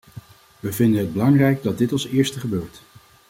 We vinden het belangrijk dat dit als eerste gebeurt.